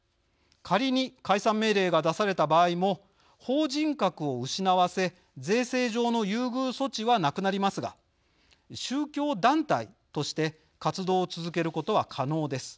仮に解散命令が出された場合も法人格を失わせ税制上の優遇措置はなくなりますが宗教団体として活動を続けることは可能です。